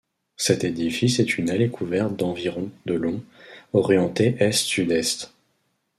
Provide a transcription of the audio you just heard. Cet édifice est une allée couverte d'environ de long orientée est-sud-est.